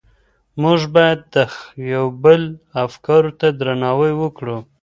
موږ بايد د يو بل افکارو ته درناوی وکړو.